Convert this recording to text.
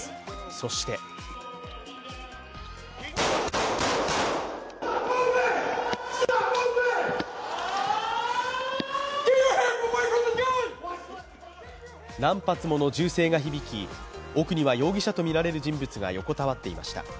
そして何発もの銃声が響き奥には容疑者とみられる人物が横たわっていました。